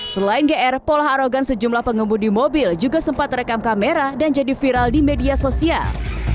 selain gr pola arogan sejumlah pengemudi mobil juga sempat rekam kamera dan jadi viral di media sosial